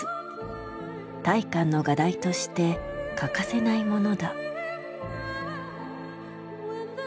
大観の画題として欠かせないものだ。